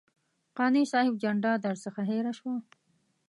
قانع صاحب جنډه درڅخه هېره شوه.